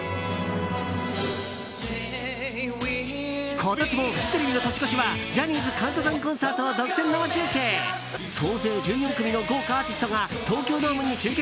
今年もフジテレビの年越しは「ジャニーズカウントダウンコンサート」を独占生中継！総勢１４組の豪華アーティストが東京ドームに集結。